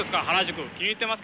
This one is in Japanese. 気に入ってますか？